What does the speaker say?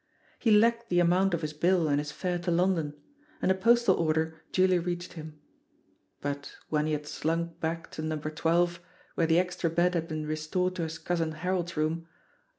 He lacked the amount of his bill and his fare to London — ^and a postal order duly reached him. Sut when he had slimk back to No. 12, where the extra bed had been restored to his cousin Harold's room.